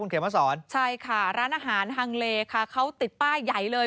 มาสอนใช่ค่ะร้านอาหารฮังเลค่ะเขาติดป้ายใหญ่เลย